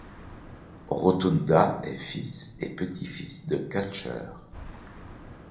Rotunda est fils et petit-fils de catcheur.